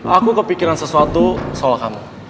aku kepikiran sesuatu soal kamu